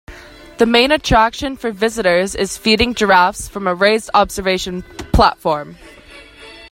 The main attraction for visitors is feeding giraffes from a raised observation platform.